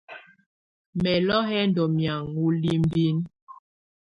Mɛlɔ yɛ ndɔ́ mɛ̀ágɔ̀á libinǝ.